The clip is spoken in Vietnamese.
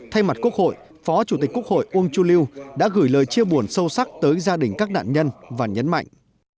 thay mặt quốc hội phó chủ tịch quốc hội uông chu lưu đã gửi lời chia buồn sâu sắc tới gia đình các nạn nhân và nhấn mạnh